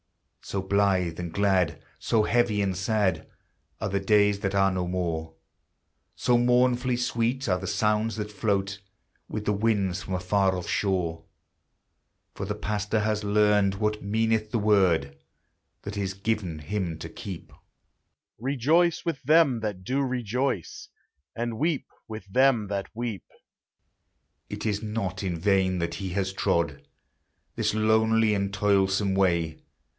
So blithe and glad, so heavy and sad, Are the days that are no more, So mournfully sweet are the sounds that float With the winds from a far off shore. For the pastor has learned what meaneth the word That is given him to keep, "Rejoice with them that do rejoice, And weep with them that weep." It is not in vain that he has trod This lonely and toilsome way.